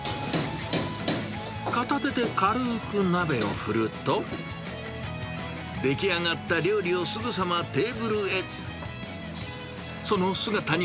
片手で軽く鍋を振ると、出来上がった料理をすぐさまテーブルへ。